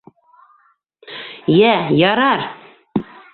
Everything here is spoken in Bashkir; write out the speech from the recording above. Йә, ярар!